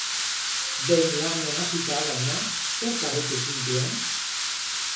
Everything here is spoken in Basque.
Behin lanean hasita, baina, zerk harritu zintuen?